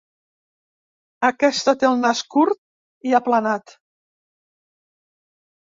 Aquesta té el nas curt i aplanat.